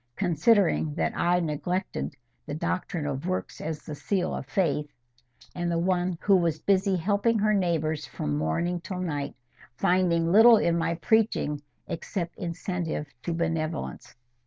considering that I neglected the doctrine of works as the seal of faith, and the one who was busy helping her neighbours from morning to night, finding little in my preaching, except incentive to benevolence.